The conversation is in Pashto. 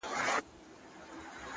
اخلاص د عمل ارزښت لوړوي!